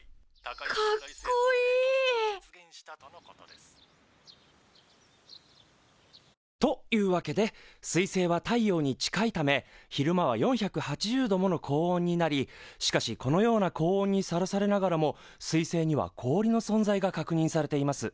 かっこいい！というわけで水星は太陽に近いため昼間は４８０度もの高温になりしかしこのような高温にさらされながらも水星には氷の存在が確認されています。